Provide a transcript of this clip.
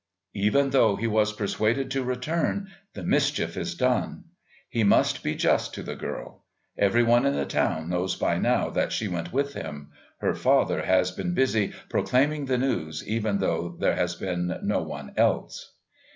Even though he was persuaded to return, the mischief is done. He must be just to the girl. Every one in the town knows by now that she went with him her father has been busy proclaiming the news even though there has been no one else."